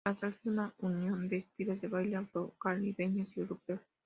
La salsa es una unión de estilos de baile afrocaribeños y europeos.